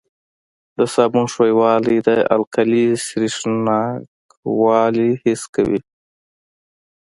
د صابون ښویوالی د القلي سریښناکوالی حس کوي.